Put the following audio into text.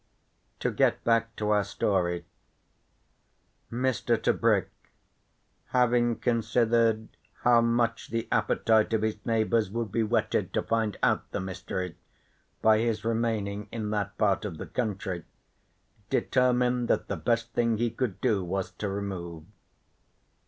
To get back to our story: Mr. Tebrick having considered how much the appetite of his neighbours would be whetted to find out the mystery by his remaining in that part of the country, determined that the best thing he could do was to remove.